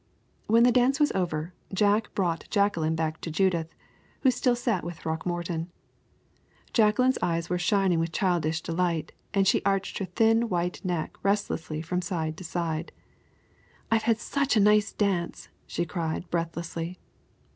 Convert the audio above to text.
When the dance was over, Jack brought Jacqueline back to Judith, who still sat with Throckmorton. Jacqueline's eyes were shining with childish delight, and she arched her thin white neck restlessly from side to side. "I have had such a nice dance!" she cried, breathlessly.